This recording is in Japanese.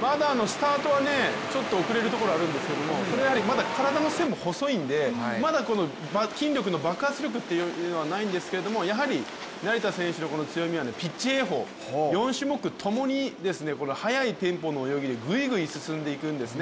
まだスタートはちょっと遅れるところがあるんですけどそれはまだ体の線も細いので筋肉の爆発力はないんですけどやはり成田選手の強みはピッチ泳法、４種目ともに速いテンポの泳ぎでグイグイ進んでいくんですね。